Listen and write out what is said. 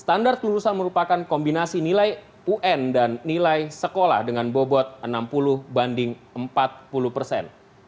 standar lulusan merupakan kombinasi nilai un dan nilai sekolah dengan bobot enam puluh banding empat puluh persen